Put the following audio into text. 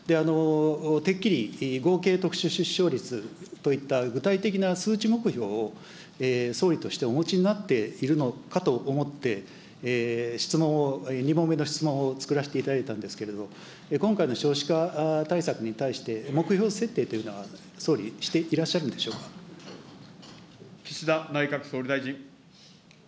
てっきり合計特殊出生率といった具体的な数値目標を、総理としてお持ちになっているのかと思って、質問を、２問目の質問を作らせていただいたんですけれども、今回の少子化対策に対して、目標設定というのは総理、岸田内閣総理大臣。